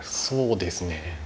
そうですね。